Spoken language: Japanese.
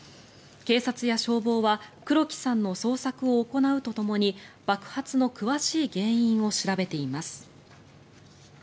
警察や消防は黒木さんの捜索を行うとともに爆発の詳しい原因を調べています。